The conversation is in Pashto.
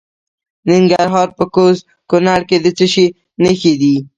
د ننګرهار په کوز کونړ کې د څه شي نښې دي؟